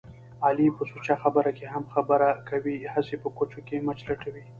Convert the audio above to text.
علي په سوچه خبره کې هم خبره کوي. هسې په کوچو کې مچ لټوي.